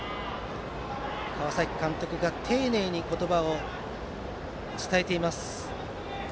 川崎監督が丁寧に言葉を伝えています。